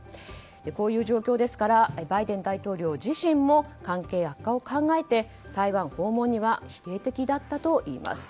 こういう状況ですからバイデン大統領自身も関係悪化を考えて台湾訪問には否定的だったといいます。